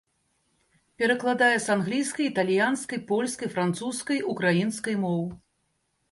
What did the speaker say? Перакладае з англійскай, італьянскай, польскай, французскай, украінскай моў.